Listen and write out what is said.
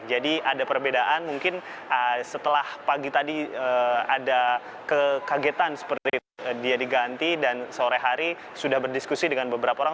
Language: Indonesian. jadi ada perbedaan mungkin setelah pagi tadi ada kekagetan seperti dia diganti dan sore hari sudah berdiskusi dengan beberapa orang